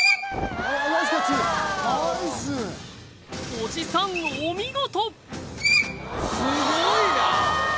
おじさんお見事！